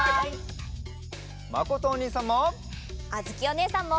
まことおにいさんも！